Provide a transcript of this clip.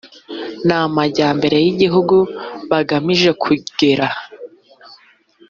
n amajyambere y igihugu bagamije kugera